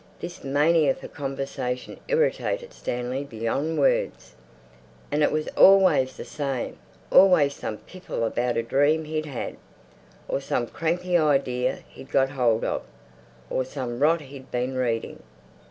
This mania for conversation irritated Stanley beyond words. And it was always the same—always some piffle about a dream he'd had, or some cranky idea he'd got hold of, or some rot he'd been reading.